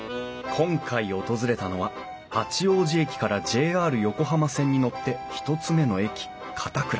今回訪れたのは八王子駅からＪＲ横浜線に乗って１つ目の駅片倉。